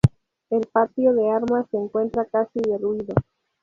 El patio de armas se encuentra casi derruido.